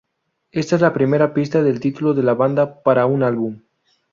Esta es la primera pista de título de la banda para un álbum.